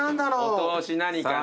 お通し何かな。